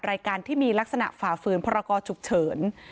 รายการที่มีลักษณะฝ่าฝืนพรกรฉุกเฉิน